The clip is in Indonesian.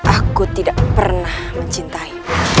aku tidak pernah mencintai